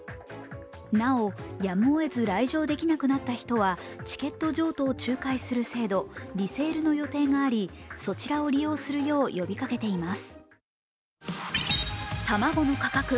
なお、やむをえず来場できなくなった人は、チケット譲渡を仲介する制度、リセールの予定があり、そちらを利用するよう呼びかけています。